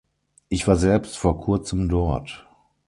Ich war selbst vor kurzem dort.